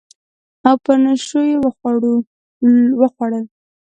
او په نشو یې وخوړل